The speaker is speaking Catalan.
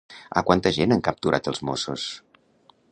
A quanta gent han capturat els Mossos?